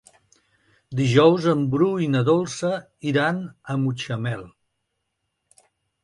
Dijous en Bru i na Dolça iran a Mutxamel.